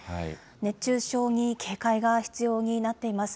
熱中症に警戒が必要になっています。